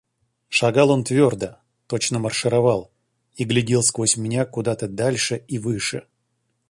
Шагал он твердо, точно маршировал, и глядел сквозь меня куда-то дальше и выше.